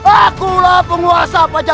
akulah penguasa pajajaran